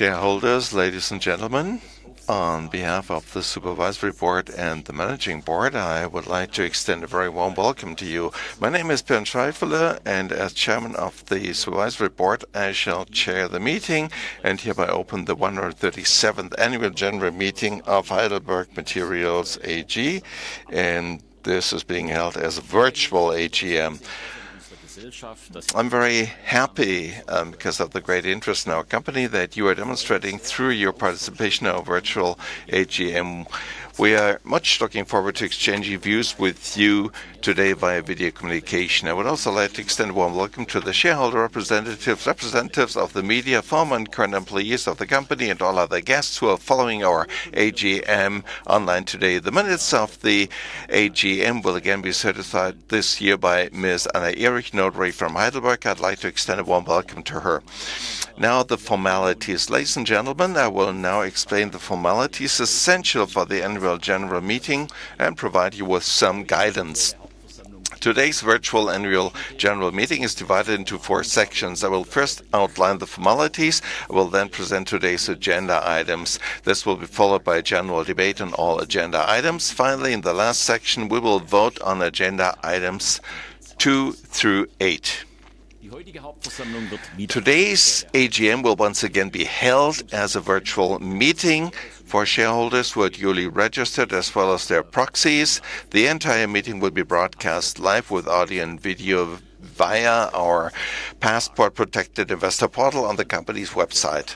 Shareholders, ladies and gentlemen, on behalf of the Supervisory Board and the Managing Board, I would like to extend a very warm welcome to you. My name is Bernd Scheifele, and as Chairman of the Supervisory Board, I shall chair the meeting and hereby open the 137th annual general meeting of Heidelberg Materials AG, and this is being held as a virtual AGM. I'm very happy because of the great interest in our company that you are demonstrating through your participation in our virtual AGM. We are much looking forward to exchanging views with you today via video communication. I would also like to extend a warm welcome to the shareholder representatives of the media, former and current employees of the company, and all other guests who are following our AGM online today. The minutes of the AGM will again be certified this year by Ms. Anna Ehrich, Notary from Heidelberg. I'd like to extend a warm welcome to her. Now, the formalities. Ladies and gentlemen, I will now explain the formalities essential for the Annual General Meeting and provide you with some guidance. Today's virtual Annual General Meeting is divided into four sections. I will first outline the formalities. I will then present today's agenda items. This will be followed by a general debate on all agenda items. Finally, in the last section, we will vote on agenda items two through eight. Today's AGM will once again be held as a virtual meeting for shareholders who are duly registered, as well as their proxies. The entire meeting will be broadcast live with audio and video via our password-protected investor portal on the company's website.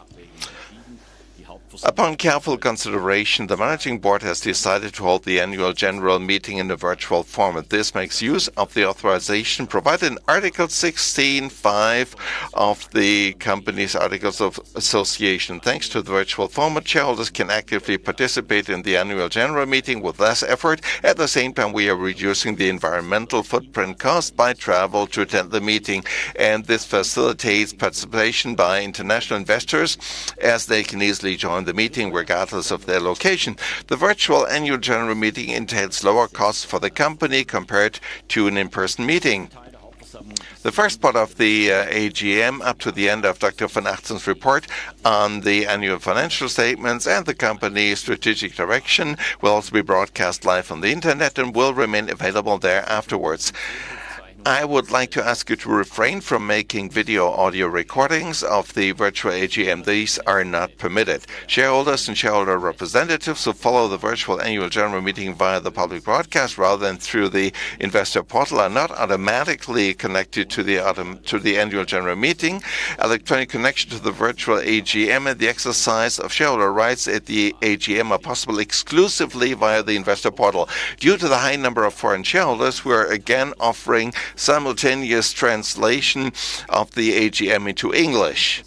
Upon careful consideration, the Managing Board has decided to hold the annual general meeting in a virtual format. This makes use of the authorization provided in Article 16 5 of the company's articles of association. Thanks to the virtual format, shareholders can actively participate in the annual general meeting with less effort. At the same time, we are reducing the environmental footprint caused by travel to attend the meeting, this facilitates participation by international investors, as they can easily join the meeting regardless of their location. The virtual annual general meeting entails lower costs for the company compared to an in-person meeting. The first part of the AGM, up to the end of Dr. von Achten's report on the annual financial statements and the company's strategic direction, will also be broadcast live on the Internet and will remain available there afterwards. I would like to ask you to refrain from making video/audio recordings of the virtual AGM. These are not permitted. Shareholders and shareholder representatives who follow the virtual annual general meeting via the public broadcast rather than through the investor portal are not automatically connected to the annual general meeting. Electronic connection to the virtual AGM and the exercise of shareholder rights at the AGM are possible exclusively via the investor portal. Due to the high number of foreign shareholders, we are again offering simultaneous translation of the AGM into English.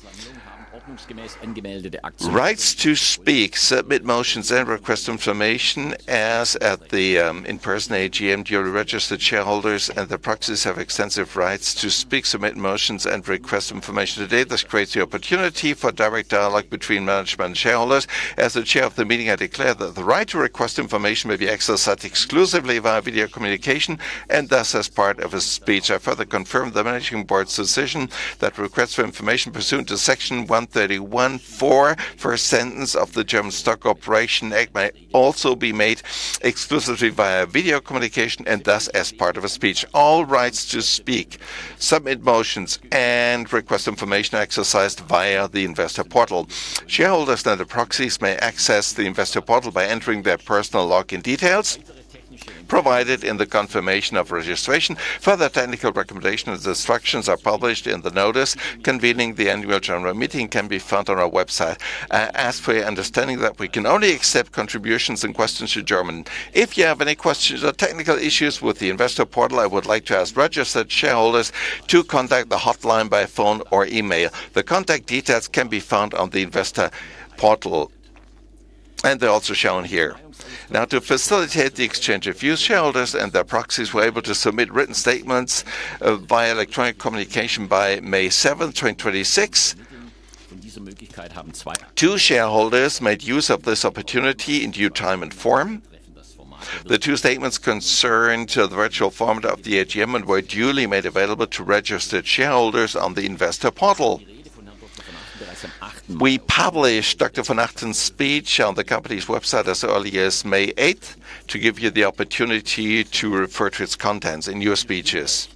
Rights to speak, submit motions, and request information as at the in-person AGM, duly registered shareholders and their proxies have extensive rights to speak, submit motions, and request information today. This creates the opportunity for direct dialogue between management and shareholders. As the chair of the meeting, I declare that the right to request information may be exercised exclusively via video communication and thus as part of a speech. I further confirm the Managing Board's decision that requests for information pursuant to Section 131 4 first sentence of the German Stock Corporation Act may also be made exclusively via video communication and thus as part of a speech. All rights to speak, submit motions, and request information are exercised via the investor portal. Shareholders and their proxies may access the investor portal by entering their personal login details provided in the confirmation of registration. Further technical recommendations and instructions are published in the notice convening the annual general meeting can be found on our website. I ask for your understanding that we can only accept contributions and questions in German. If you have any questions or technical issues with the investor portal, I would like to ask registered shareholders to contact the hotline by phone or email. The contact details can be found on the investor portal, and they're also shown here. To facilitate the exchange of views, shareholders and their proxies were able to submit written statements via electronic communication by May 7, 2026. Two shareholders made use of this opportunity in due time and form. The two statements concerned the virtual format of the AGM and were duly made available to registered shareholders on the investor portal. We published Dr. von Achten's speech on the company's website as early as May 8 to give you the opportunity to refer to its contents in your speeches.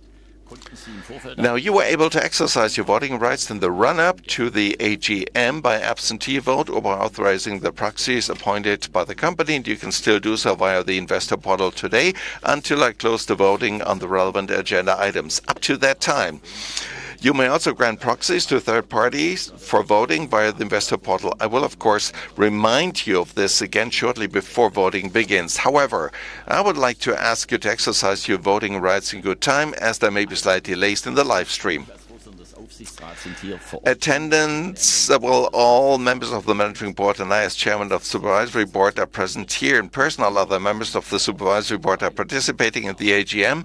You were able to exercise your voting rights in the run-up to the AGM by absentee vote or by authorizing the proxies appointed by the company, and you can still do so via the investor portal today until I close the voting on the relevant agenda items. Up to that time, you may also grant proxies to third parties for voting via the investor portal. I will, of course, remind you of this again shortly before voting begins. I would like to ask you to exercise your voting rights in good time, as they may be slightly late in the live stream. Attendance. Well, all members of the Managing Board and I, as Chairman of the Supervisory Board, are present here in person. All other members of the Supervisory Board are participating at the AGM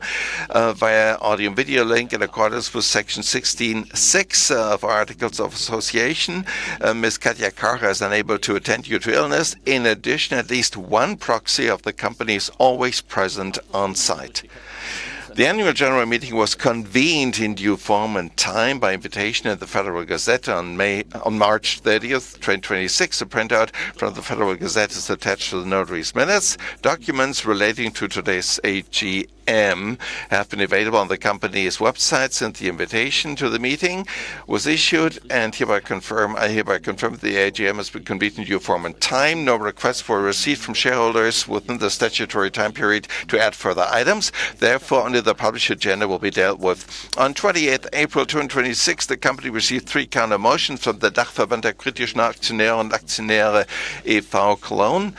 via audio-video link in accordance with Section 166 of Articles of Association. Ms. Katja Karcher is unable to attend due to illness. In addition, at least one proxy of the company is always present on-site. The annual general meeting was convened in due form and time by invitation at the Federal Gazette on March 30th, 2026. A printout from the Federal Gazette is attached to the notary's minutes. Documents relating to today's AGM have been available on the company's website since the invitation to the meeting was issued. I hereby confirm that the AGM has been convened in due form and time. No request for receipt from shareholders within the statutory time period to add further items. Therefore, only the published agenda will be dealt with. On 28th April, 2026, the company received three countermotions from the Dachverband der Kritischen Aktionärinnen und Aktionäre e.V. Cologne.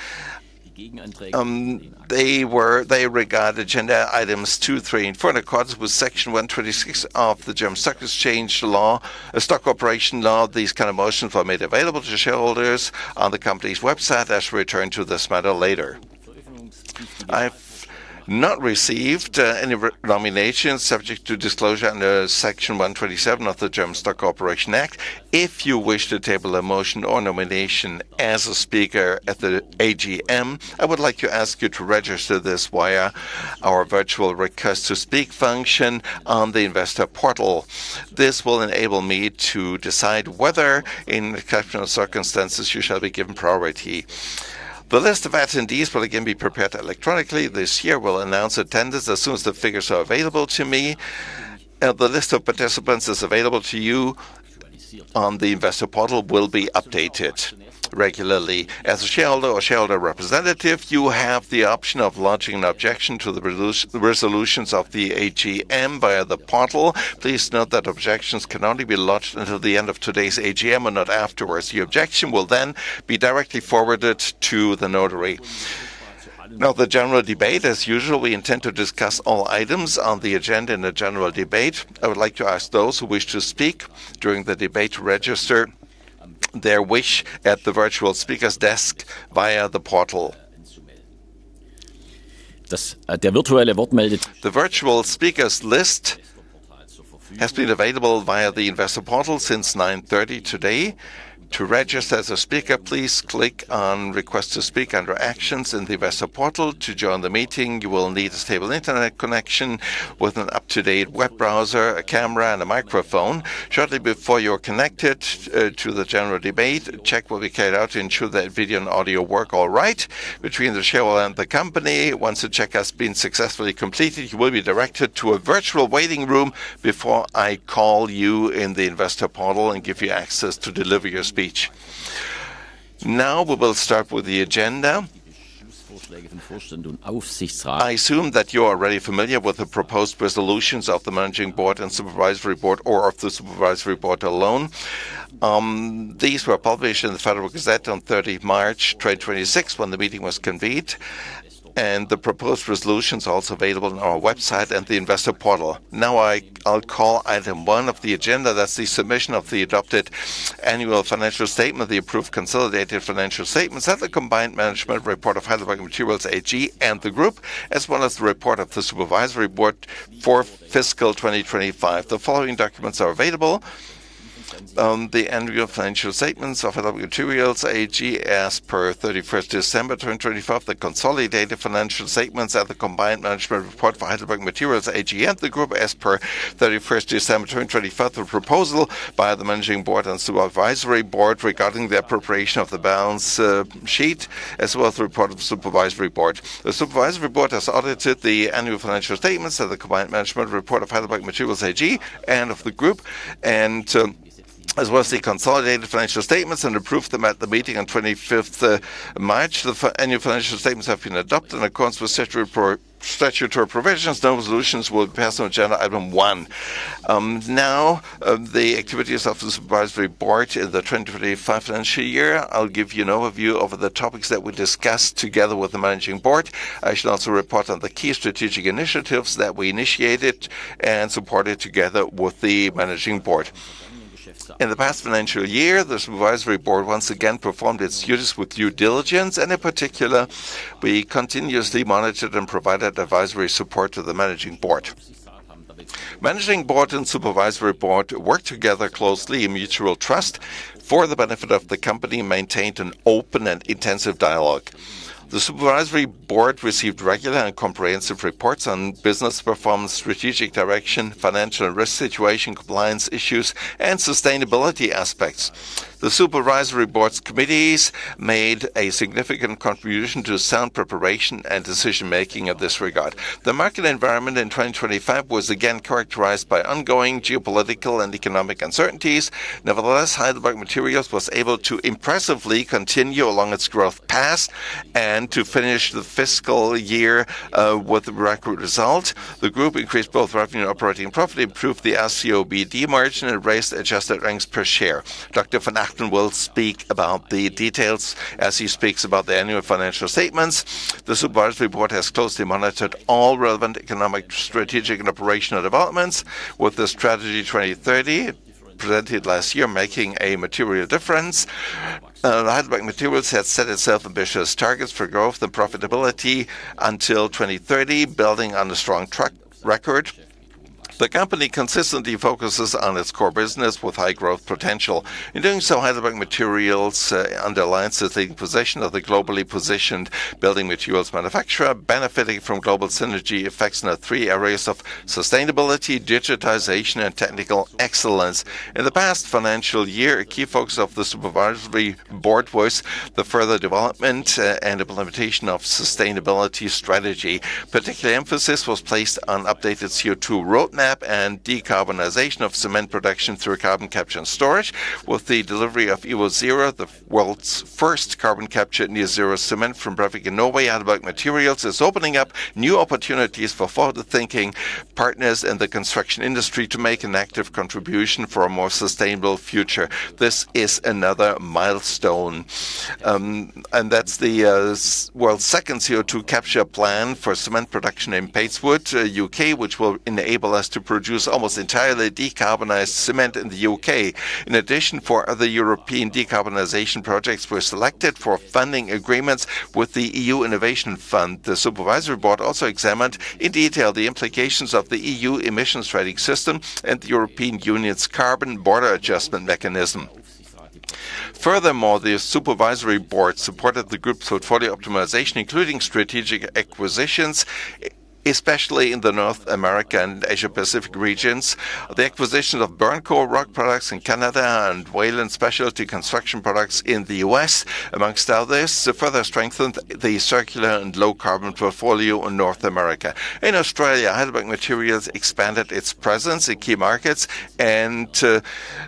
They regard agenda items two, three, and four in accordance with Section 126 of the German Stock Corporation Act. These countermotions were made available to shareholders on the company's website. I shall return to this matter later. I've not received any nominations subject to disclosure under Section 127 of the German Stock Corporation Act. If you wish to table a motion or nomination as a speaker at the AGM, I would like to ask you to register this via our virtual Request to Speak function on the Investor portal. This will enable me to decide whether, in the exceptional circumstances, you shall be given priority. The list of attendees will again be prepared electronically. This year we'll announce attendance as soon as the figures are available to me. The list of participants is available to you on the Investor portal will be updated regularly. As a shareholder or shareholder representative, you have the option of lodging an objection to the resolutions of the AGM via the portal. Please note that objections can only be lodged until the end of today's AGM and not afterwards. The objection will be directly forwarded to the notary. The general debate. As usual, we intend to discuss all items on the agenda in a general debate. I would like to ask those who wish to speak during the debate to register their wish at the virtual speakers' desk via the portal. The virtual speakers list has been available via the Investor portal since 9:30 today. To register as a speaker, please click on Request to Speak under Actions in the Investor portal. To join the meeting, you will need a stable internet connection with an up-to-date web browser, a camera, and a microphone. Shortly before you're connected to the general debate, a check will be carried out to ensure that video and audio work all right between the shareholder and the company. Once the check has been successfully completed, you will be directed to a virtual waiting room before I call you in the Investor portal and give you access to deliver your speech. We will start with the agenda. I assume that you are already familiar with the proposed resolutions of the managing board and supervisory board, or of the supervisory board alone. These were published in the Federal Gazette on 30 March, 2026 when the meeting was convened, and the proposed resolutions are also available on our website and the Investor portal. I'll call item one of the agenda. That's the submission of the adopted annual financial statement, the approved consolidated financial statements, and the combined management report of Heidelberg Materials AG and the group, as well as the report of the Supervisory Board for fiscal 2025. The following documents are available. The annual financial statements of Heidelberg Materials AG as per 31st December 2025, the consolidated financial statements and the combined management report for Heidelberg Materials AG and the group as per 31st December 2025, the proposal by the Managing Board and Supervisory Board regarding the appropriation of the balance sheet, as well as the report of the Supervisory Board. The supervisory board has audited the annual financial statements and the combined management report of Heidelberg Materials AG and of the group and, as well as the consolidated financial statements, and approved them at the meeting on 25th March. The annual financial statements have been adopted in accordance with statutory provisions. No resolutions will pass on agenda item one. Now, the activities of the Supervisory Board in the 2025 financial year. I'll give you an overview of the topics that we discussed together with the Managing Board. I shall also report on the key strategic initiatives that we initiated and supported together with the Managing Board. In the past financial year, the Supervisory Board once again performed its duties with due diligence, and in particular, we continuously monitored and provided advisory support to the Managing Board. Managing board and supervisory board worked together closely in mutual trust for the benefit of the company, maintained an open and intensive dialogue. The supervisory board received regular and comprehensive reports on business performance, strategic direction, financial and risk situation, compliance issues, and sustainability aspects. The supervisory board's committees made a significant contribution to sound preparation and decision-making of this regard. The market environment in 2025 was again characterized by ongoing geopolitical and economic uncertainties. Nevertheless, Heidelberg Materials was able to impressively continue along its growth path and to finish the fiscal year with a record result. The group increased both revenue and operating profit, improved the RCOBD margin, and raised adjusted earnings per share. Dr. von Achten will speak about the details as he speaks about the annual financial statements. The Supervisory Board has closely monitored all relevant economic, strategic, and operational developments with the Strategy 2030 presented last year making a material difference. Heidelberg Materials has set itself ambitious targets for growth and profitability until 2030, building on a strong track record. The company consistently focuses on its core business with high growth potential. In doing so, Heidelberg Materials underlines that the possession of the globally positioned building materials manufacturer benefiting from global synergy effects in the three areas of sustainability, digitization, and technical excellence. In the past financial year, a key focus of the Supervisory Board was the further development and implementation of sustainability strategy. Particular emphasis was placed on updated CO2 roadmap and decarbonization of cement production through carbon capture and storage. With the delivery of evoZero, the world's first carbon captured net-zero cement from Brevik in Norway, Heidelberg Materials is opening up new opportunities for forward-thinking partners in the construction industry to make an active contribution for a more sustainable future. This is another milestone. That's the world's second CO2 capture project for cement production in Padeswood, U.K., which will enable us to produce almost entirely decarbonized cement in the U.K. In addition, four other European decarbonization projects were selected for funding agreements with the Innovation Fund. The supervisory board also examined in detail the implications of the EU Emissions Trading System and the Carbon Border Adjustment Mechanism. Furthermore, the supervisory board supported the group's portfolio optimization, including strategic acquisitions, especially in the North America and Asia Pacific regions. The acquisition of BURNCO Rock Products in Canada and Walan Specialty Construction Products in the U.S., amongst others, further strengthened the circular and low-carbon portfolio in North America. In Australia, Heidelberg Materials expanded its presence in key markets and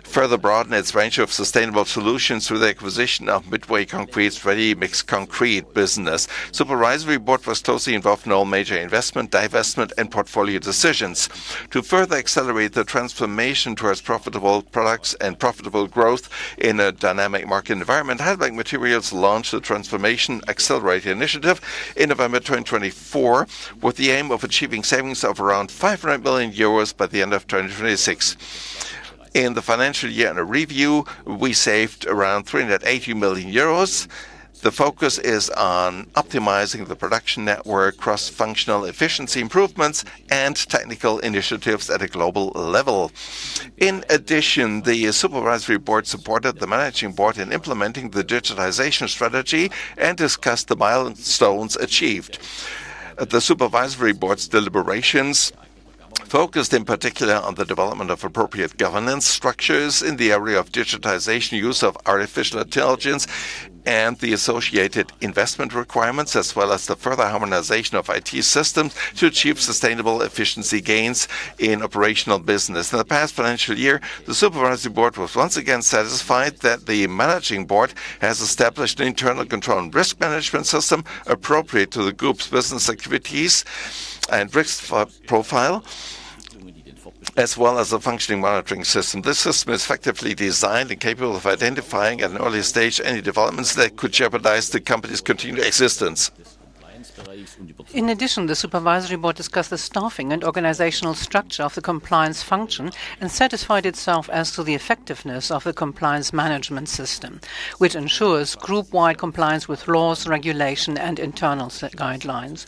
further broadened its range of sustainable solutions through the acquisition of Midway Concrete's ready-mixed concrete business. Supervisory Board was closely involved in all major investment, divestment, and portfolio decisions. To further accelerate the transformation towards profitable products and profitable growth in a dynamic market environment, Heidelberg Materials launched the Transformation Accelerator initiative in November 2024, with the aim of achieving savings of around 500 million euros by the end of 2026. In the financial year under review, we saved around 380 million euros. The focus is on optimizing the production network, cross-functional efficiency improvements, and technical initiatives at a global level. In addition, the supervisory board supported the managing board in implementing the digitization strategy and discussed the milestones achieved. The supervisory board's deliberations focused in particular on the development of appropriate governance structures in the area of digitization, use of artificial intelligence, and the associated investment requirements, as well as the further harmonization of IT systems to achieve sustainable efficiency gains in operational business. In the past financial year, the supervisory board was once again satisfied that the managing board has established an internal control and risk management system appropriate to the group's business activities and risk profile, as well as a functioning monitoring system. This system is effectively designed and capable of identifying at an early stage any developments that could jeopardize the company's continued existence. In addition, the Supervisory Board discussed the staffing and organizational structure of the compliance function and satisfied itself as to the effectiveness of the compliance management system, which ensures group-wide compliance with laws, regulation, and internal set guidelines.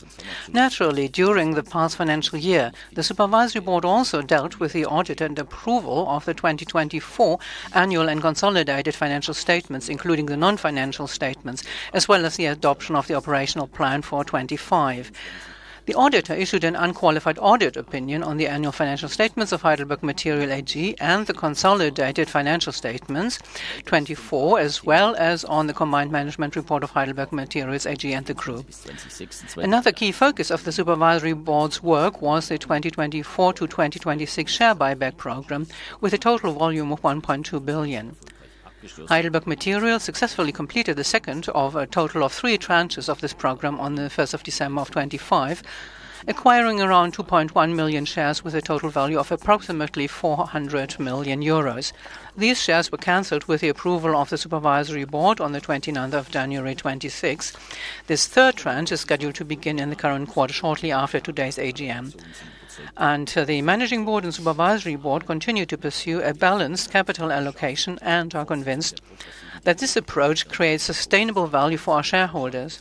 Naturally, during the past financial year, the Supervisory Board also dealt with the audit and approval of the 2024 annual and consolidated financial statements, including the non-financial statements, as well as the adoption of the operational plan for 2025. The auditor issued an unqualified audit opinion on the annual financial statements of Heidelberg Materials AG and the consolidated financial statements 2024, as well as on the combined management report of Heidelberg Materials AG and the Group. Another key focus of the Supervisory Board's work was the 2024-2026 share buyback program, with a total volume of 1.2 billion. Heidelberg Materials successfully completed the second of a total of three tranches of this program on 1st December, 2025, acquiring around 2.1 million shares with a total value of approximately 400 million euros. These shares were canceled with the approval of the supervisory board on 29th January, 2026. This third tranche is scheduled to begin in the current quarter shortly after today's AGM. The managing board and supervisory board continue to pursue a balanced capital allocation and are convinced that this approach creates sustainable value for our shareholders.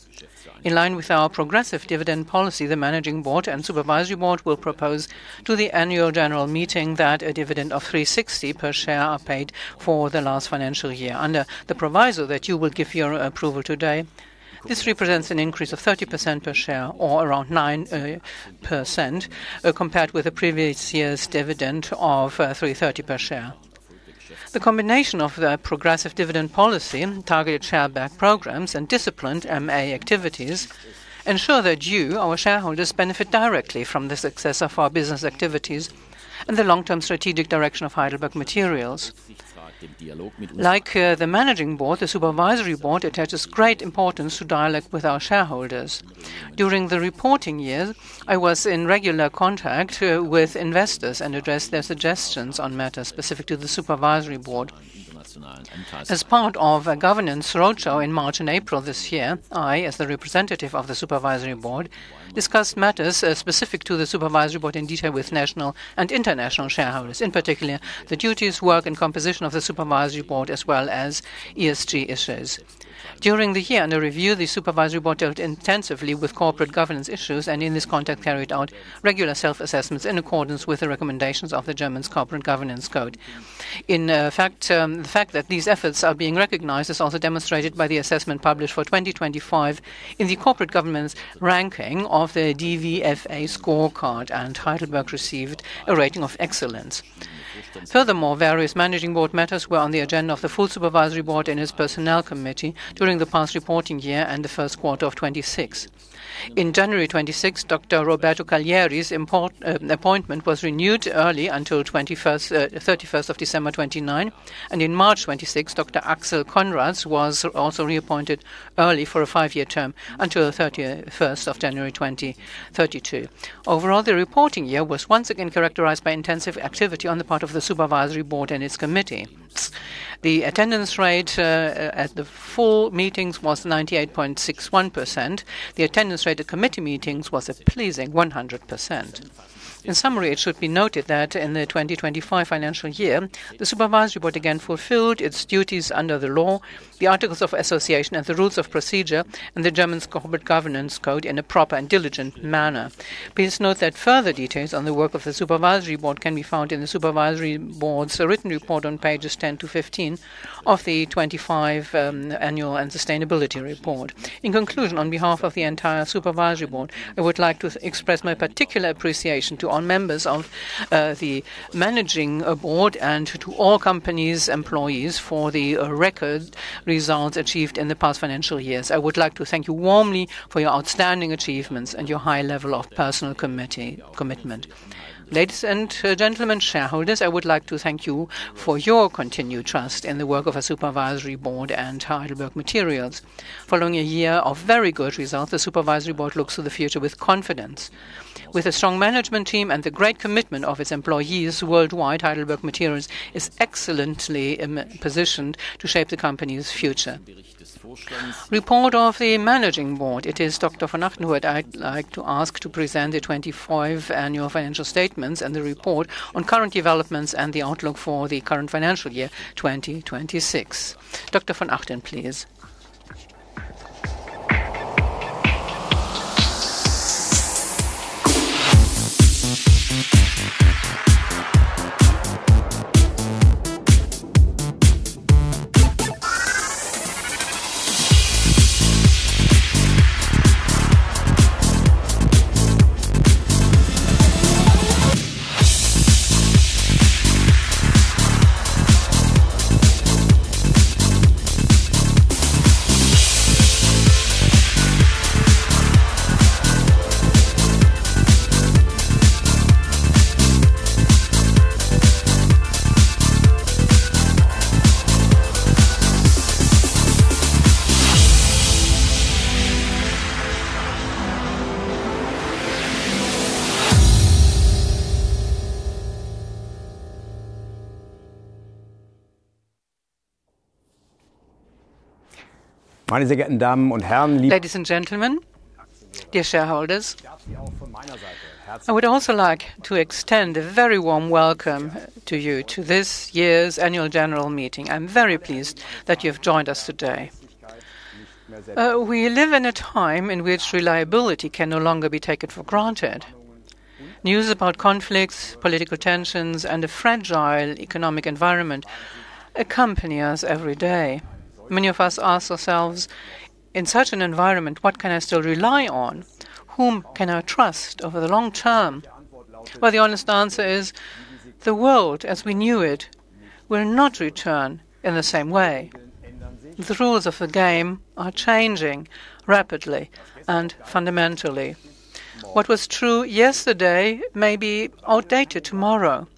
In line with our progressive dividend policy, the managing board and supervisory board will propose to the annual general meeting that a dividend of 3.60 per share are paid for the last financial year, under the proviso that you will give your approval today. This represents an increase of 30% per share or around 9% compared with the previous year's dividend of 3.30 per share. The combination of the progressive dividend policy, targeted share back programs, and disciplined M&A activities ensure that you, our shareholders, benefit directly from the success of our business activities and the long-term strategic direction of Heidelberg Materials. Like, the Managing Board, the Supervisory Board attaches great importance to dialogue with our shareholders. During the reporting year, I was in regular contact with investors and addressed their suggestions on matters specific to the Supervisory Board. As part of a governance roadshow in March and April this year, I, as the representative of the supervisory board, discussed matters specific to the supervisory board in detail with national and international shareholders, in particular, the duties, work, and composition of the supervisory board, as well as ESG issues. During the year under review, the supervisory board dealt intensively with corporate governance issues and in this context carried out regular self-assessments in accordance with the recommendations of the German Corporate Governance Code. In fact, the fact that these efforts are being recognized is also demonstrated by the assessment published for 2025 in the corporate governance ranking of the DVFA Scorecard, and Heidelberg received a rating of excellence. Furthermore, various managing board matters were on the agenda of the full supervisory board and its personnel committee during the past reporting year and the first quarter of 2026. In January 2026, Dr. Roberto Callieri's board appointment was renewed early until 31st of December 2029. In March 2026, Dr. Axel Conrads was also reappointed early for a five-year term until the 31st of January 2032. Overall, the reporting year was once again characterized by intensive activity on the part of the supervisory board and its committees. The attendance rate at the full meetings was 98.61%. The attendance rate at committee meetings was a pleasing 100%. In summary, it should be noted that in the 2025 financial year, the supervisory board again fulfilled its duties under the law, the articles of association, and the rules of procedure, and the German Corporate Governance Code in a proper and diligent manner. Please note that further details on the work of the supervisory board can be found in the supervisory board's written report on pages 10-15 of the 2025 annual and sustainability report. In conclusion, on behalf of the entire supervisory board, I would like to express my particular appreciation to all members of the managing board and to all company's employees for the record results achieved in the past financial years. I would like to thank you warmly for your outstanding achievements and your high level of personal commitment. Ladies and gentlemen shareholders, I would like to thank you for your continued trust in the work of our supervisory board and Heidelberg Materials. Following a year of very good results, the supervisory board looks to the future with confidence. With a strong management team and the great commitment of its employees worldwide, Heidelberg Materials is excellently in positioned to shape the company's future. Report of the managing board, it is Dr. von Achten who I'd like to ask to present the 2025 annual financial statements and the report on current developments and the outlook for the current financial year, 2026. Dr. von Achten, please. Ladies and gentlemen, dear shareholders, I would also like to extend a very warm welcome to you to this year's annual general meeting. I'm very pleased that you've joined us today. We live in a time in which reliability can no longer be taken for granted. News about conflicts, political tensions, and a fragile economic environment accompany us every day. Many of us ask ourselves, "In such an environment, what can I still rely on? Whom can I trust over the long term?" Well, the honest answer is the world as we knew it will not return in the same way. The rules of the game are changing rapidly and fundamentally. What was true yesterday may be outdated tomorrow.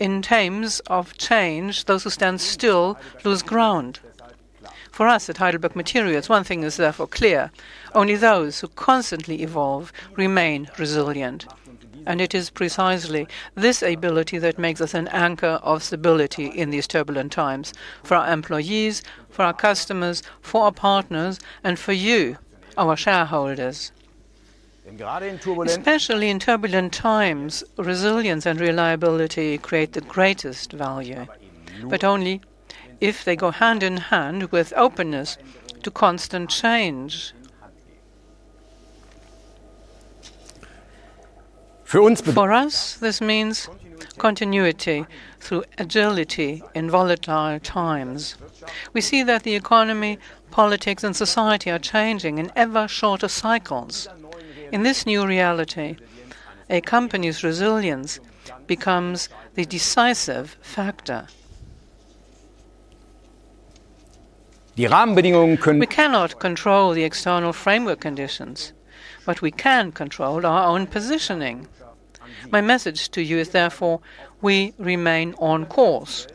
In times of change, those who stand still lose ground. For us at Heidelberg Materials, one thing is therefore clear, only those who constantly evolve remain resilient, and it is precisely this ability that makes us an anchor of stability in these turbulent times for our employees, for our customers, for our partners, and for you, our shareholders. Especially in turbulent times, resilience and reliability create the greatest value, but only if they go hand in hand with openness to constant change. For us, this means continuity through agility in volatile times. We see that the economy, politics, and society are changing in ever shorter cycles. In this new reality, a company's resilience becomes the decisive factor. We cannot control the external framework conditions, we can control our own positioning. My message to you is therefore, we remain on course.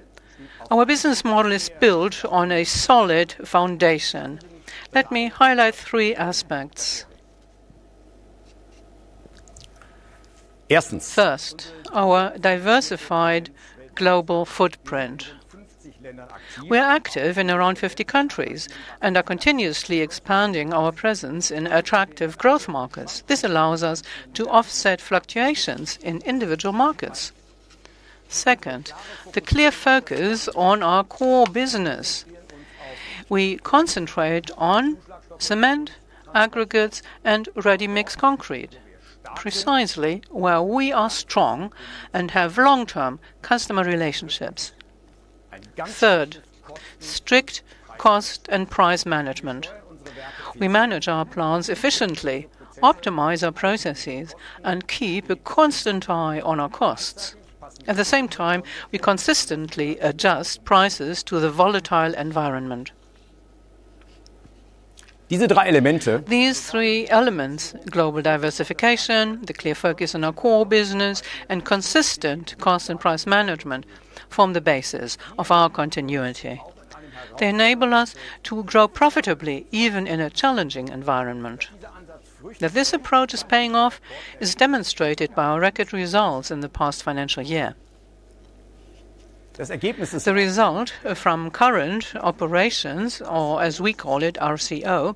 Our business model is built on a solid foundation. Let me highlight three aspects. First, our diversified global footprint. We're active in around 50 countries and are continuously expanding our presence in attractive growth markets. This allows us to offset fluctuations in individual markets. Second, the clear focus on our core business. We concentrate on cement, aggregates, and ready-mix concrete, precisely where we are strong and have long-term customer relationships. Third, strict cost and price management. We manage our plants efficiently, optimize our processes, and keep a constant eye on our costs. At the same time, we consistently adjust prices to the volatile environment. These three elements, global diversification, the clear focus on our core business, and consistent cost and price management, form the basis of our continuity. They enable us to grow profitably even in a challenging environment. That this approach is paying off is demonstrated by our record results in the past financial year. The result from current operations, or as we call it RCO,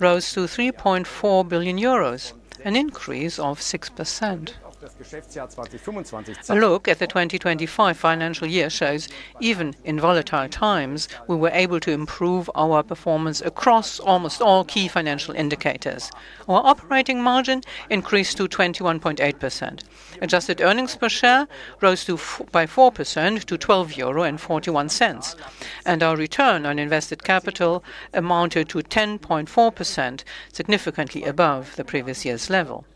rose to 3.4 billion euros, an increase of 6%. A look at the 2025 financial year shows even in volatile times, we were able to improve our performance across almost all key financial indicators. Our operating margin increased to 21.8%. Adjusted earnings per share rose by 4% to EUR 12.41. Our return on invested capital amounted to 10.4%, significantly above the previous year's level.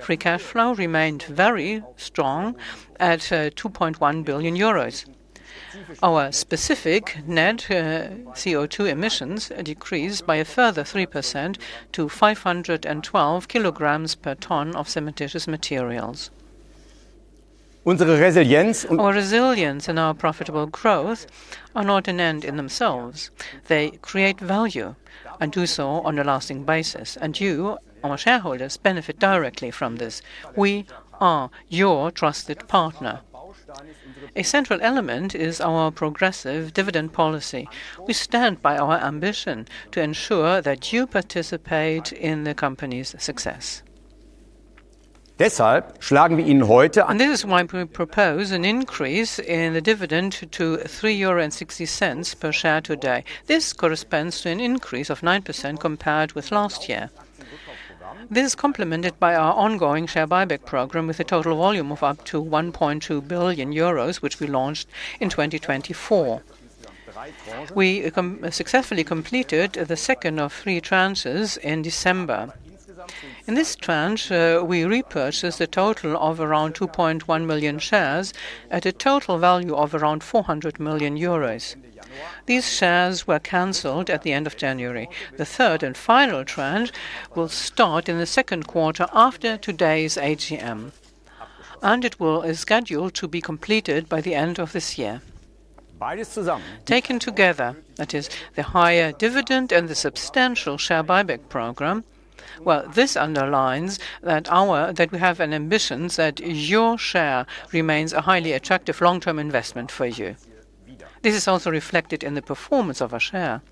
Free cash flow remained very strong at 2.1 billion euros. Our specific net CO2 emissions decreased by a further 3% to 512 kg/ton of cementitious materials. Our resilience and our profitable growth are not an end in themselves. They create value and do so on a lasting basis, and you, our shareholders, benefit directly from this. We are your trusted partner. A central element is our progressive dividend policy. We stand by our ambition to ensure that you participate in the company's success. This is why we propose an increase in the dividend to 3.60 euro per share today. This corresponds to an increase of 9% compared with last year. This is complemented by our ongoing share buyback program with a total volume of up to 1.2 billion euros, which we launched in 2024. We successfully completed the second of three tranches in December. In this tranche, we repurchased a total of around 2.1 million shares at a total value of around 400 million euros. These shares were canceled at the end of January. The third and final tranche will start in the second quarter after today's AGM, and it is scheduled to be completed by the end of this year. Taken together, that is the higher dividend and the substantial share buyback program, this underlines that we have an ambition that your share remains a highly attractive long-term investment for you. This is also reflected in the performance of our share.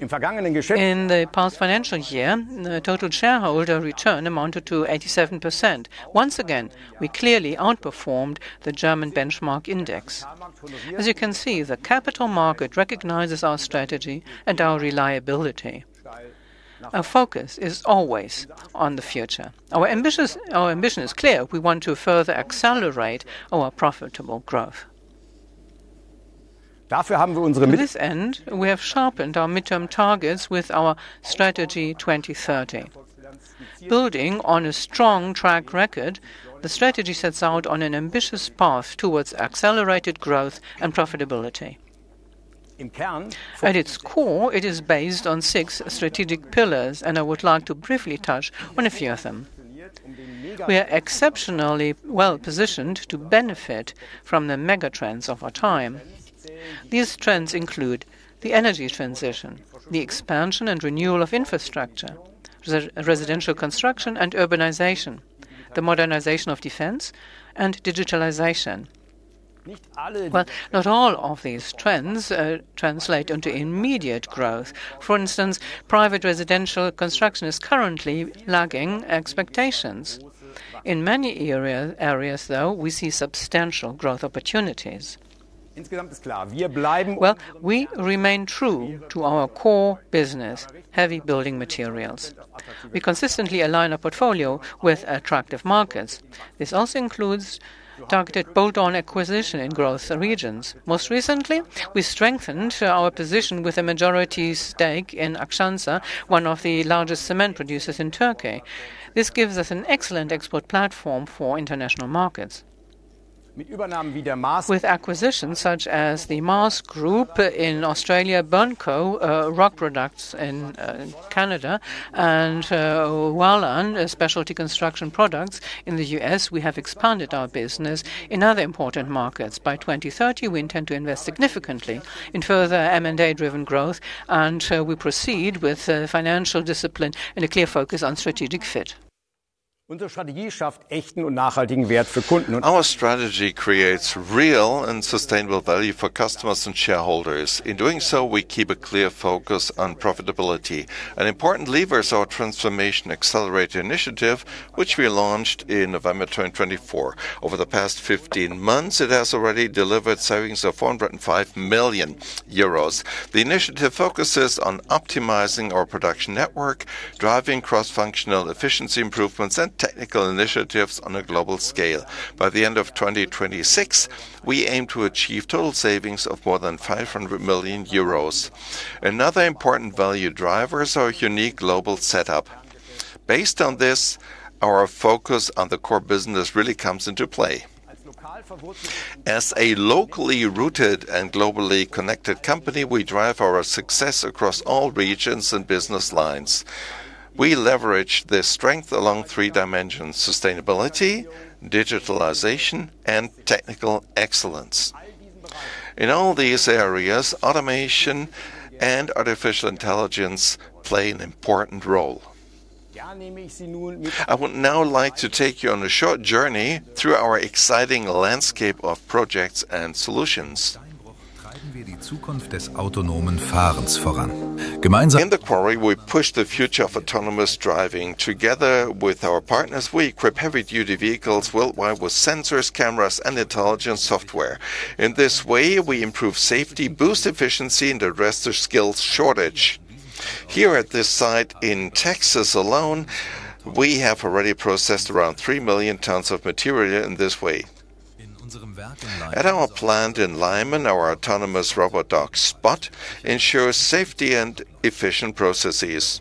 In the past financial year, the total shareholder return amounted to 87%. Once again, we clearly outperformed the German benchmark index. As you can see, the capital market recognizes our strategy and our reliability. Our focus is always on the future. Our ambition is clear. We want to further accelerate our profitable growth. To this end, we have sharpened our midterm targets with our Strategy 2030. Building on a strong track record, the strategy sets out on an ambitious path towards accelerated growth and profitability. At its core, it is based on six strategic pillars, and I would like to briefly touch on a few of them. We are exceptionally well positioned to benefit from the mega trends of our time. These trends include the energy transition, the expansion and renewal of infrastructure, residential construction and urbanization, the modernization of defense, and digitalization. Not all of these trends translate into immediate growth. For instance, private residential construction is currently lagging expectations. In many areas though, we see substantial growth opportunities. We remain true to our core business, heavy building materials. We consistently align our portfolio with attractive markets. This also includes targeted bolt-on acquisition in growth regions. Most recently, we strengthened our position with a majority stake in Akçansa, one of the largest cement producers in Turkey. This gives us an excellent export platform for international markets. With acquisitions such as the Maas Group in Australia, BURNCO Rock Products in Canada, and Walan Specialty Construction Products in the U.S., we have expanded our business in other important markets. By 2030, we intend to invest significantly in further M&A-driven growth, and we proceed with financial discipline and a clear focus on strategic fit. Our strategy creates real and sustainable value for customers and shareholders. In doing so, we keep a clear focus on profitability. An important lever is our Transformation Accelerator initiative, which we launched in November 2024. Over the past 15 months, it has already delivered savings of 405 million euros. The initiative focuses on optimizing our production network, driving cross-functional efficiency improvements, and technical initiatives on a global scale. By the end of 2026, we aim to achieve total savings of more than 500 million euros. Another important value driver is our unique global setup. Based on this, our focus on the core business really comes into play. As a locally rooted and globally connected company, we drive our success across all regions and business lines. We leverage this strength along three dimensions: sustainability, digitalization, and technical excellence. In all these areas, automation and artificial intelligence play an important role. I would now like to take you on a short journey through our exciting landscape of projects and solutions. In the quarry, we push the future of autonomous driving. Together with our partners, we equip heavy-duty vehicles worldwide with sensors, cameras, and intelligent software. In this way, we improve safety, boost efficiency, and address the skills shortage. Here at this site in Texas alone, we have already processed around 3,000,000 tons of material in this way. At our plant in Leimen, our autonomous robot dog, Spot, ensures safety and efficient processes.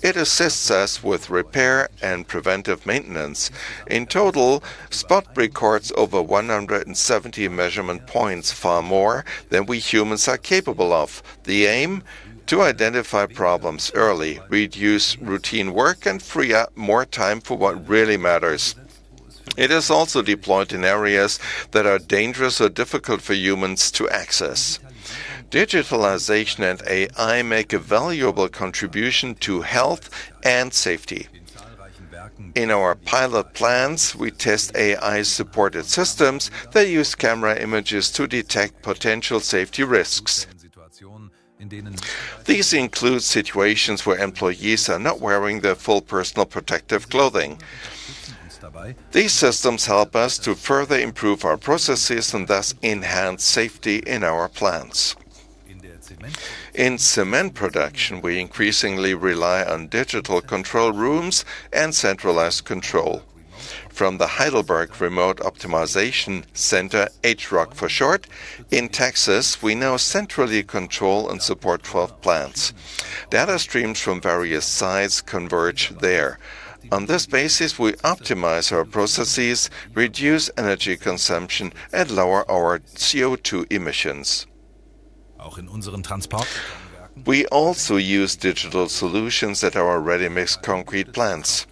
It assists us with repair and preventive maintenance. In total, Spot records over 170 measurement points, far more than we humans are capable of. The aim? To identify problems early, reduce routine work, and free up more time for what really matters. It is also deployed in areas that are dangerous or difficult for humans to access. Digitalization and AI make a valuable contribution to health and safety. In our pilot plants, we test AI-supported systems that use camera images to detect potential safety risks. These include situations where employees are not wearing their full personal protective clothing. These systems help us to further improve our processes and thus enhance safety in our plants. In cement production, we increasingly rely on digital control rooms and centralized control. From the Heidelberg Remote Optimisation Center, HROC for short, in Texas, we now centrally control and support 12 plants. Data streams from various sites converge there. On this basis, we optimize our processes, reduce energy consumption, and lower our CO2 emissions. We also use digital solutions at our ready-mix concrete plants.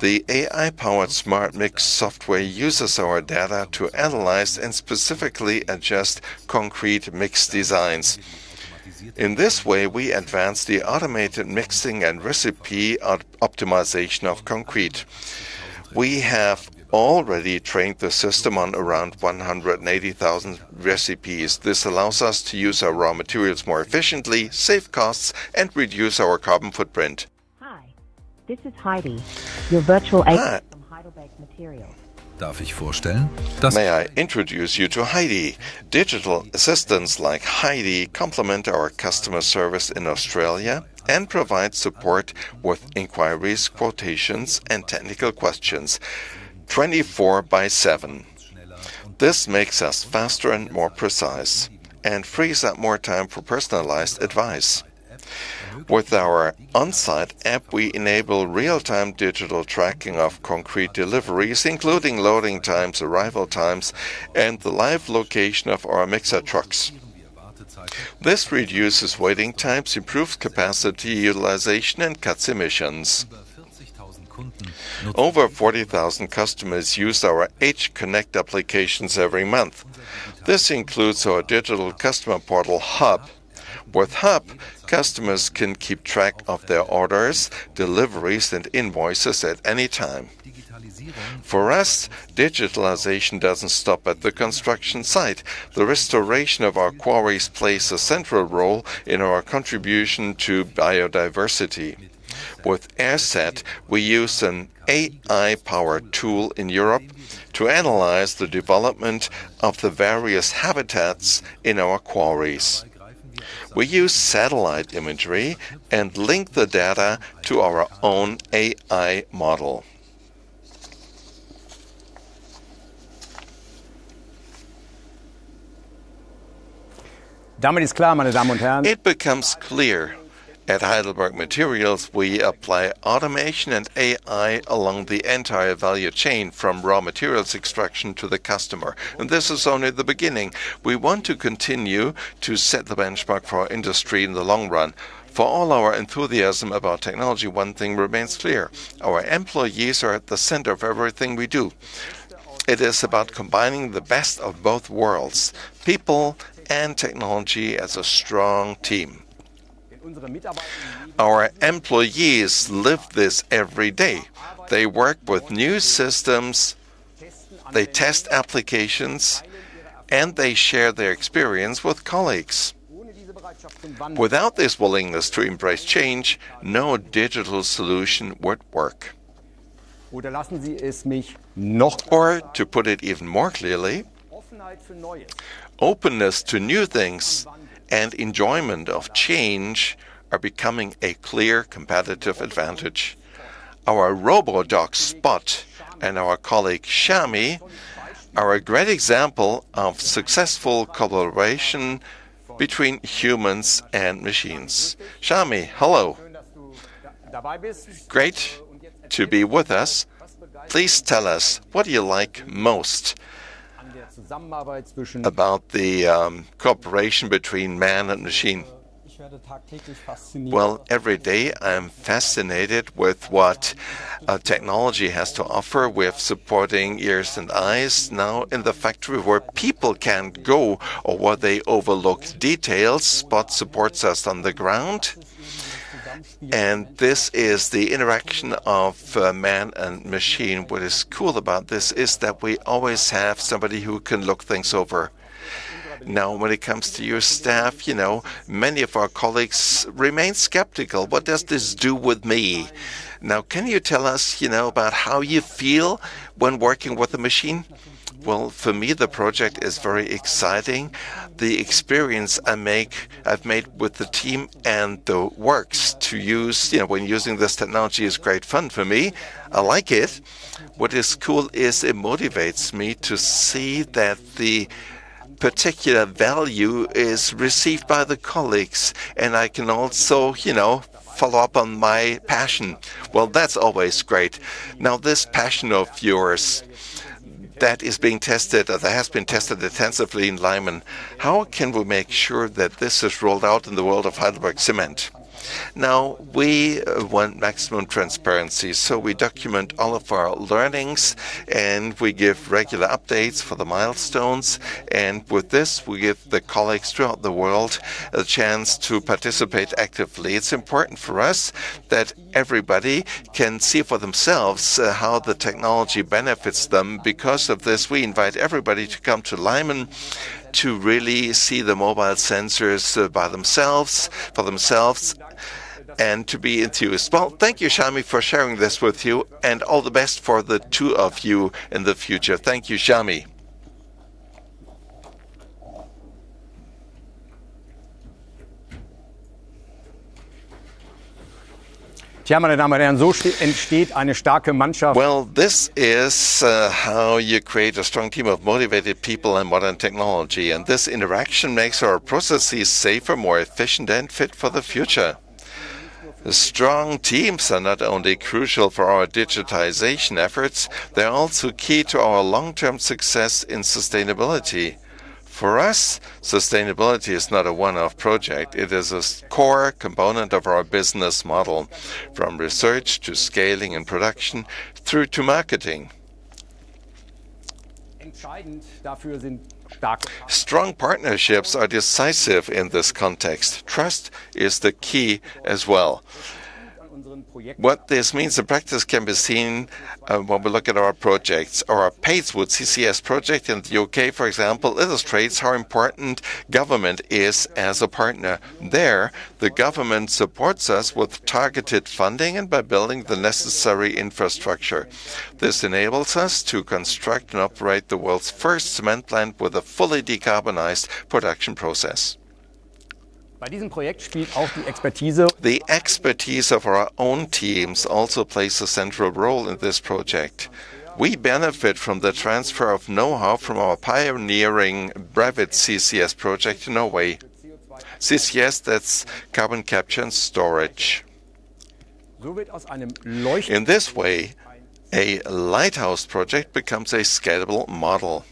The AI-powered SmartMix software uses our data to analyze and specifically adjust concrete mix designs. In this way, we advance the automated mixing and recipe optimization of concrete. We have already trained the system on around 180,000 recipes. This allows us to use our raw materials more efficiently, save costs, and reduce our carbon footprint. Hi, this is Heidi, your virtual agent from Heidelberg Materials. May I introduce you to Heidi? Digital assistants like Heidi complement our customer service in Australia and provide support with inquiries, quotations, and technical questions 24 by 7. This makes us faster and more precise and frees up more time for personalized advice. With our on-site app, we enable real-time digital tracking of concrete deliveries, including loading times, arrival times, and the live location of our mixer trucks. This reduces waiting times, improves capacity utilization, and cuts emissions. Over 40,000 customers use our HConnect applications every month. This includes our digital customer portal, Hub. With Hub, customers can keep track of their orders, deliveries, and invoices at any time. For us, digitalization doesn't stop at the construction site. The restoration of our quarries plays a central role in our contribution to biodiversity. With AirSeT, we use an AI-powered tool in Europe to analyze the development of the various habitats in our quarries. We use satellite imagery and link the data to our own AI model. It becomes clear at Heidelberg Materials we apply automation and AI along the entire value chain from raw materials extraction to the customer, and this is only the beginning. We want to continue to set the benchmark for our industry in the long run. For all our enthusiasm about technology, one thing remains clear, our employees are at the center of everything we do. It is about combining the best of both worlds, people and technology as a strong team. Our employees live this every day. They work with new systems, they test applications, they share their experience with colleagues. Without this willingness to embrace change, no digital solution would work. To put it even more clearly, openness to new things and enjoyment of change are becoming a clear competitive advantage. Our robot dog, Spot, and our colleague, Shami, are a great example of successful collaboration between humans and machines. Shami, hello. Great to be with us. Please tell us, what do you like most about the cooperation between man and machine? Every day I am fascinated with what technology has to offer with supporting ears and eyes now in the factory where people can't go or where they overlook details, Spot supports us on the ground, and this is the interaction of man and machine. What is cool about this is that we always have somebody who can look things over. When it comes to your staff, you know, many of our colleagues remain skeptical, "What does this do with me?" Can you tell us, you know, about how you feel when working with a machine? For me, the project is very exciting. The experience I've made with the team and the works to use, you know, when using this technology, is great fun for me. I like it. What is cool is it motivates me to see that the particular value is received by the colleagues, and I can also, you know, follow up on my passion. Well, that's always great. Now, this passion of yours that is being tested, or that has been tested intensively in Leimen, how can we make sure that this is rolled out in the world of Heidelberg Materials? Now, we want maximum transparency, so we document all of our learnings, and we give regular updates for the milestones. With this, we give the colleagues throughout the world a chance to participate actively. It's important for us that everybody can see for themselves how the technology benefits them. Because of this, we invite everybody to come to Leimen to really see the mobile sensors by themselves, for themselves, and to be enthused. Thank you, Shami, for sharing this with you, and all the best for the two of you in the future. Thank you, Shami. This is how you create a strong team of motivated people and modern technology, and this interaction makes our processes safer, more efficient, and fit for the future. Strong teams are not only crucial for our digitization efforts, they're also key to our long-term success in sustainability. For us, sustainability is not a one-off project, it is a core component of our business model, from research to scaling and production, through to marketing. Strong partnerships are decisive in this context. Trust is the key as well. What this means in practice can be seen when we look at our projects. Our Padeswood CCS project in the U.K., for example, illustrates how important government is as a partner. There, the government supports us with targeted funding and by building the necessary infrastructure. This enables us to construct and operate the world's first cement plant with a fully decarbonized production process. The expertise of our own teams also plays a central role in this project. We benefit from the transfer of knowhow from our pioneering Brevik CCS project in Norway. CCS, that's carbon capture and storage. In this way, a lighthouse project becomes a scalable model.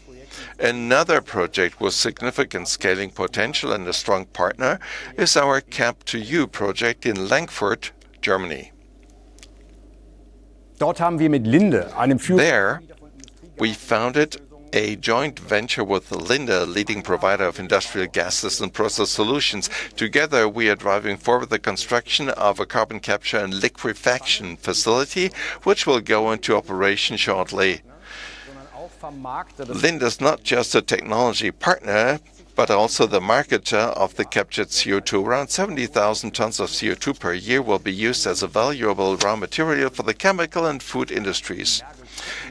Another project with significant scaling potential and a strong partner is our CAP2U project in Lengfurt, Germany. There, we founded a joint venture with Linde, a leading provider of industrial gases and process solutions. Together, we are driving forward the construction of a carbon capture and liquefaction facility, which will go into operation shortly. Linde is not just a technology partner, but also the marketer of the captured CO2. Around 70,000 tons of CO2 per year will be used as a valuable raw material for the chemical and food industries.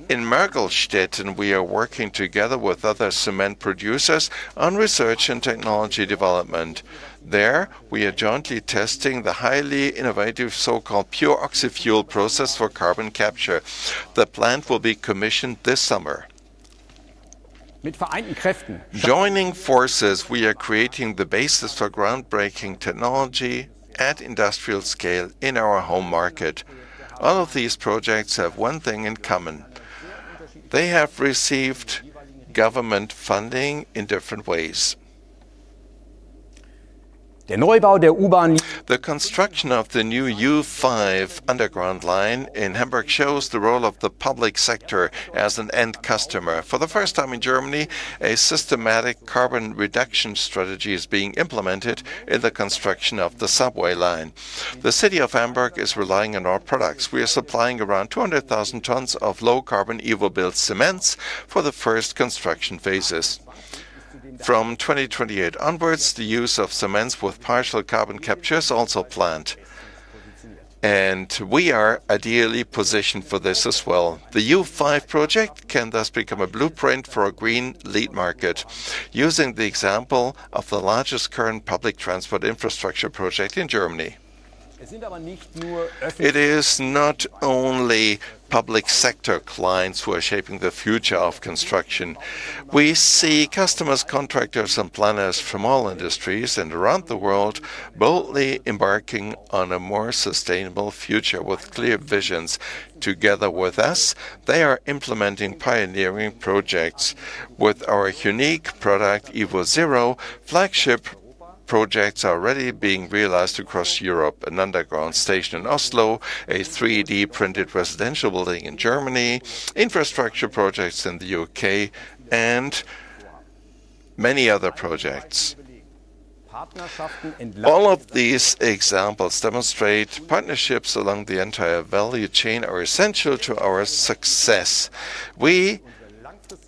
In Mergelstetten, we are working together with other cement producers on research and technology development. There, we are jointly testing the highly innovative so-called pure oxy-fuel process for carbon capture. The plant will be commissioned this summer. Joining forces, we are creating the basis for groundbreaking technology at industrial scale in our home market. All of these projects have one thing in common: they have received government funding in different ways. The construction of the new U5 underground line in Hamburg shows the role of the public sector as an end customer. For the first time in Germany, a systematic carbon reduction strategy is being implemented in the construction of the subway line. The city of Hamburg is relying on our products. We are supplying around 200,000 tons of low-carbon evoBuild cements for the first construction phases. From 2028 onwards, the use of cements with partial carbon capture is also planned, and we are ideally positioned for this as well. The U5 project can thus become a blueprint for a green lead market using the example of the largest current public transport infrastructure project in Germany. It is not only public sector clients who are shaping the future of construction. We see customers, contractors, and planners from all industries and around the world boldly embarking on a more sustainable future with clear visions. Together with us, they are implementing pioneering projects. With our unique product, evoZero, flagship projects are already being realized across Europe. An underground station in Oslo, a 3D printed residential building in Germany, infrastructure projects in the U.K., and many other projects. All of these examples demonstrate partnerships along the entire value chain are essential to our success. We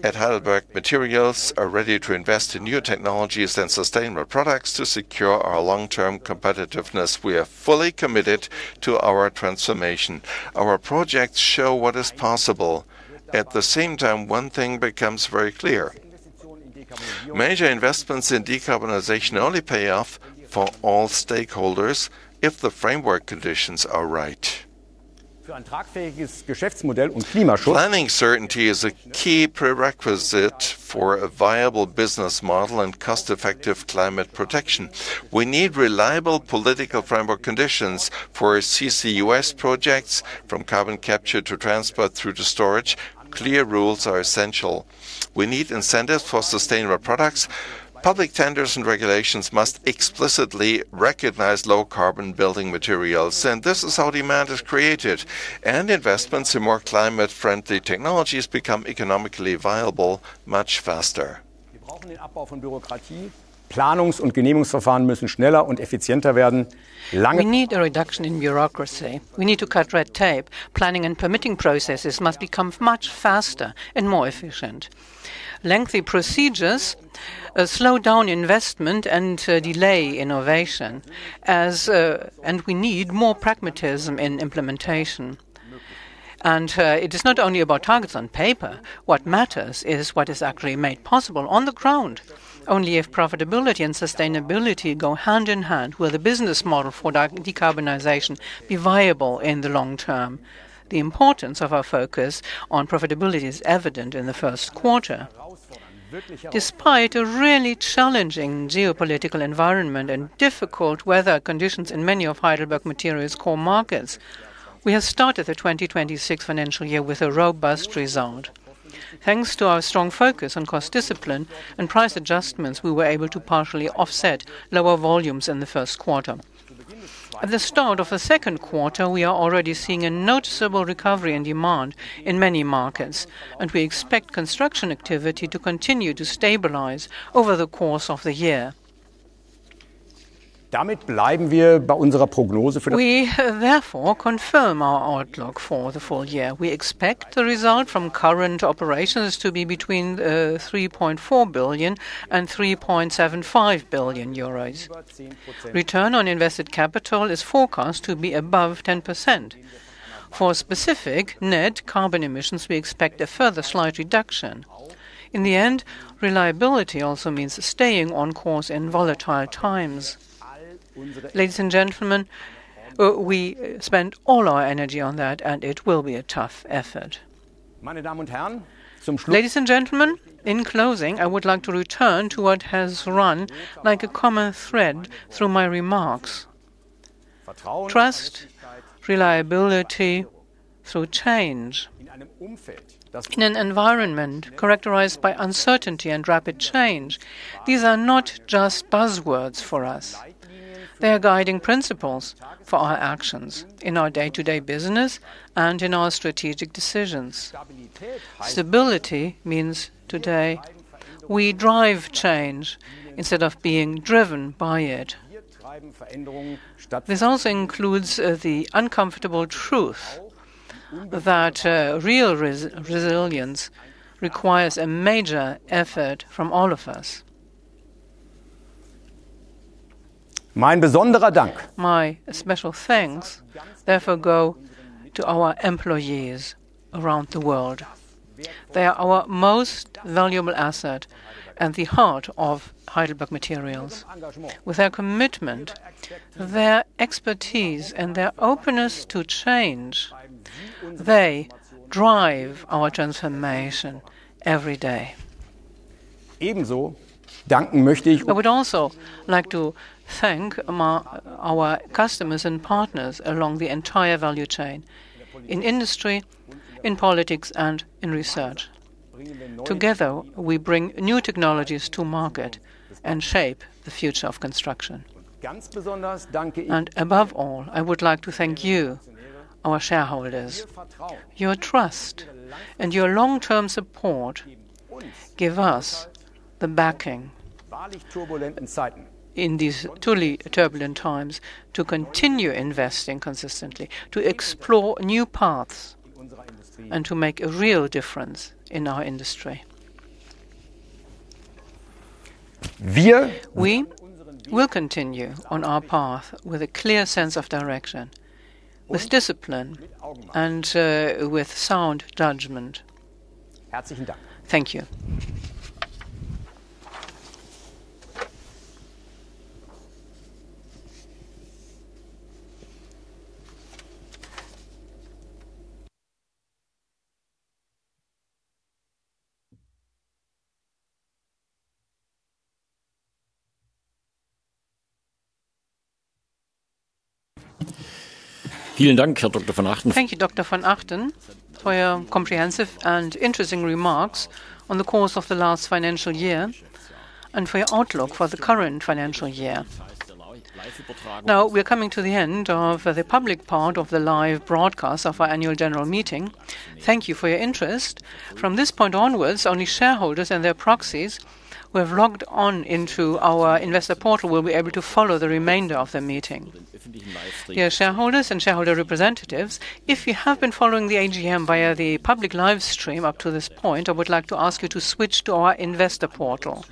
at Heidelberg Materials are ready to invest in new technologies and sustainable products to secure our long-term competitiveness. We are fully committed to our transformation. Our projects show what is possible. At the same time, one thing becomes very clear: major investments in decarbonization only pay off for all stakeholders if the framework conditions are right. Planning certainty is a key prerequisite for a viable business model and cost-effective climate protection. We need reliable political framework conditions for CCUS projects from carbon capture to transport through to storage. Clear rules are essential. We need incentives for sustainable products. Public tenders and regulations must explicitly recognize low-carbon building materials, and this is how demand is created and investments in more climate-friendly technologies become economically viable much faster. We need a reduction in bureaucracy. We need to cut red tape. Planning and permitting processes must become much faster and more efficient. Lengthy procedures slow down investment and delay innovation. We need more pragmatism in implementation. It is not only about targets on paper. What matters is what is actually made possible on the ground. Only if profitability and sustainability go hand in hand will the business model for decarbonization be viable in the long term. The importance of our focus on profitability is evident in the first quarter. Despite a really challenging geopolitical environment and difficult weather conditions in many of Heidelberg Materials' core markets, we have started the 2026 financial year with a robust result. Thanks to our strong focus on cost discipline and price adjustments, we were able to partially offset lower volumes in the first quarter. At the start of the second quarter, we are already seeing a noticeable recovery in demand in many markets, and we expect construction activity to continue to stabilize over the course of the year. We therefore confirm our outlook for the full year. We expect the result from current operations to be between 3.4 billion and 3.75 billion euros. Return on invested capital is forecast to be above 10%. For specific net carbon emissions, we expect a further slight reduction. In the end, reliability also means staying on course in volatile times. Ladies and gentlemen, we spent all our energy on that, and it will be a tough effort. Ladies and gentlemen, in closing, I would like to return to what has run like a common thread through my remarks. Trust, reliability through change. In an environment characterized by uncertainty and rapid change, these are not just buzzwords for us. They are guiding principles for our actions in our day-to-day business and in our strategic decisions. Stability means today we drive change instead of being driven by it. This also includes the uncomfortable truth that real resilience requires a major effort from all of us. My special thanks therefore go to our employees around the world. They are our most valuable asset and the heart of Heidelberg Materials. With their commitment, their expertise, and their openness to change, they drive our transformation every day. I would also like to thank our customers and partners along the entire value chain in industry, in politics, and in research. Together, we bring new technologies to market and shape the future of construction. Above all, I would like to thank you, our shareholders. Your trust and your long-term support give us the backing in these truly turbulent times to continue investing consistently, to explore new paths, and to make a real difference in our industry. We will continue on our path with a clear sense of direction, with discipline and with sound judgment. Thank you. Thank you, Dr. von Achten, for your comprehensive and interesting remarks on the course of the last financial year and for your outlook for the current financial year. We're coming to the end of the public part of the live broadcast of our annual general meeting. Thank you for your interest. From this point onwards, only shareholders and their proxies who have logged on into our investor portal will be able to follow the remainder of the meeting. Dear shareholders and shareholder representatives, if you have been following the AGM via the public live stream up to this point, I would like to ask you to switch to our investor portal.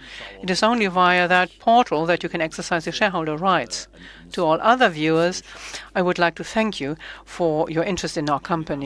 It is only via that portal that you can exercise your shareholder rights. To all other viewers, I would like to thank you for your interest in our company.